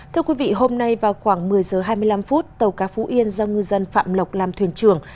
thưa quý vị hôm nay vào khoảng một mươi giờ hai mươi năm phút tàu cá phú yên do ngư dân phạm lộc làm thuyền trưởng